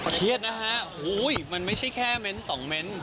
เทรียดนะคะมันไม่ใช่แค่ริมวเลนส์สองริมวเลนส์